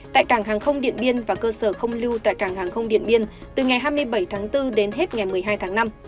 tại cảng hàng không điện biên và cơ sở không lưu tại cảng hàng không điện biên từ ngày hai mươi bảy tháng bốn đến hết ngày một mươi hai tháng năm